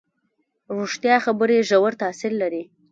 ریښتیا خبرې ژور تاثیر لري.